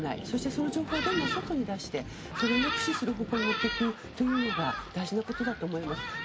そして、その情報をどんどん外に出してそれを抑止する方向に持っていくというのが大事なことだと思います。